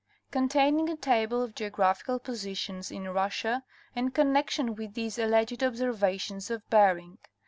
290) containing a table of geographical positions in Russia, in connection with these alleged observations of Bering.